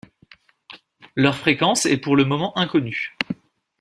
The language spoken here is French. Leur fréquence est pour le moment inconnue.